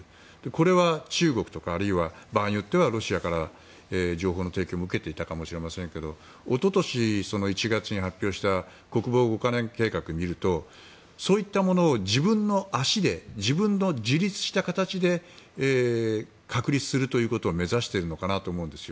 これは中国とか、あるいは場合によってはロシアから情報の提供も受けていたかもしれませんが一昨年１月に発表した国防５か年計画を見るとそういったものを自分の足で自分の自立した形で確立することを目指しているのかなと思うんです。